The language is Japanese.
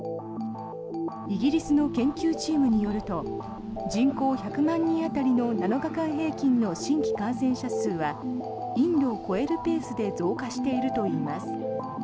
イギリスの研究チームによると人口１００万人当たりの７日平均の新規感染者数はインドを超えるペースで増加しているといいます。